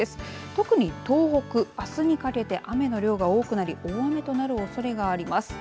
特に東北、あすにかけて雨の量が多くなり大雨となるおそれがあります。